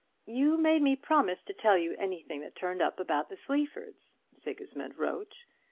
"You made me promise to tell you anything that turned up about the Sleafords," Sigismund wrote.